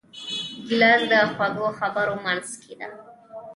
ګیلاس د خوږو خبرو منځکۍ دی.